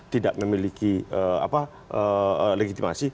tidak memiliki legitimasi